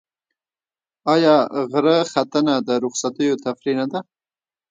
آیا غره ختنه د رخصتیو تفریح نه ده؟